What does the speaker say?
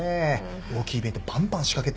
大きいイベントバンバン仕掛けて。